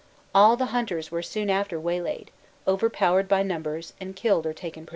All the hunters were soon after waylaid, overpowered by numbers, and killed or taken prisoners.